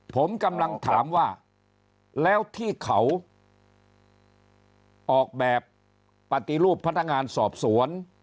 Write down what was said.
ผมกำลังถามว่าแล้วที่เขาออกแบบปฏิรูปพนักงานสอบสวน